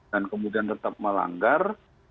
dan kemudian tetap melanggar